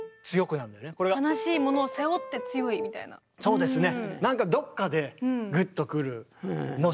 そうですね。